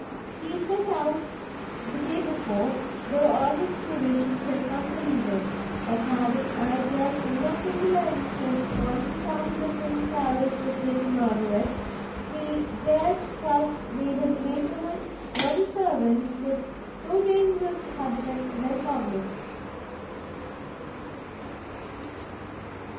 He [set] out the day before, though earnestly wishing to accompany them, but having as yet in no single instance gone to town in the same carriage with Lady Margaret, he dared trust neither the neighbourhood nor the servants with so dangerous a subject for their comments.